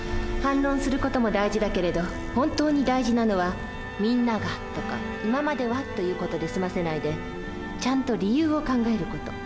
反論する事も大事だけれど本当に大事なのは「みんなが」とか「今までは」という事で済ませないでちゃんと理由を考える事。